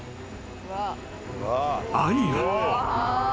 ［兄が。